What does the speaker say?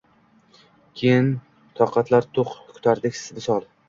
Keyin, toqatlar-toq, kutardik visol